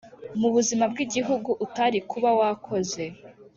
mu buzima bw’igihugu utarikuba wakoze"